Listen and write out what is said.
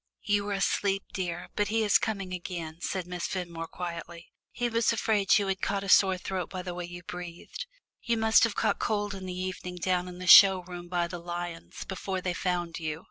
"You were asleep, dear, but he is coming again," said Miss Fenmore quietly. "He was afraid you had got a sore throat by the way you breathed. You must have caught cold in the evening down in the show room by the lions, before they found you."